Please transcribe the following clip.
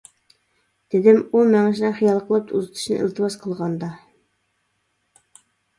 -دېدىم ئۇ مېڭىشنى خىيال قىلىپ، ئۇزىتىشنى ئىلتىماس قىلغاندا!